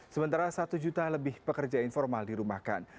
sementara satu juta lebih pekerja informal dirumahkan